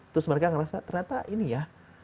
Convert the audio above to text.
terus mereka ngerasa ternyata ini ya